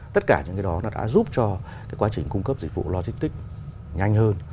tất cả những cái đó đã giúp cho quá trình cung cấp dịch vụ logistics nhanh hơn